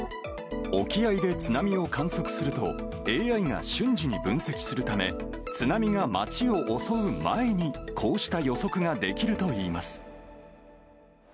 沖合で津波を観測すると、ＡＩが瞬時に分析するため、津波が街を襲う前に、こうした予測ができるといいます。